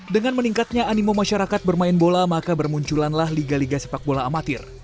dengan meningkatnya animo masyarakat bermain bola maka bermunculanlah liga liga sepak bola amatir